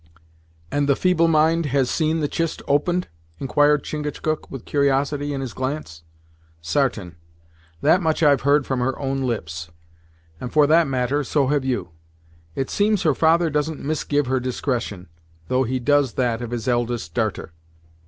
"And the 'Feeble Mind' has seen the chist opened?" inquired Chingachgook, with curiosity in his glance. "Sartain; that much I've heard from her own lips; and, for that matter, so have you. It seems her father doesn't misgive her discretion, though he does that of his eldest darter."